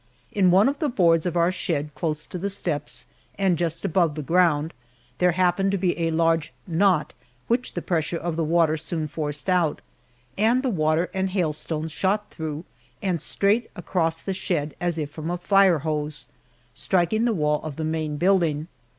In one of the boards of our shed close to the steps, and just above the ground, there happened to be a large "knot" which the pressure of the water soon forced out, and the water and hailstones shot through and straight across the shed as if from a fire hose, striking the wall of the main building!